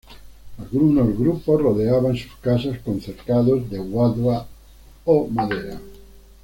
Algunos grupos rodeaban sus casas con cercados de guadua o madera.